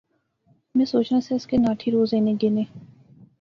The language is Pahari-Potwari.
میں سوچنا سیس کہ ناٹھی روز اینے گینے